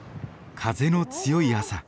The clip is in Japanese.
風の強い朝。